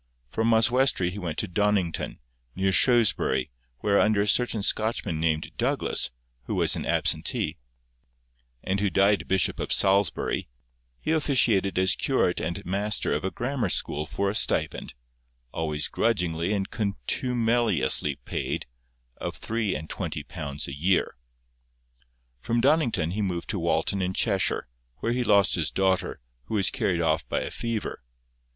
From Oswestry he went to Donnington, near Shrewsbury, where, under a certain Scotchman named Douglas, who was an absentee, and who died Bishop of Salisbury, he officiated as curate and master of a grammar school for a stipend—always grudgingly and contumeliously paid—of three and twenty pounds a year. From Donnington he removed to Walton in Cheshire, where he lost his daughter, who was carried off by a fever.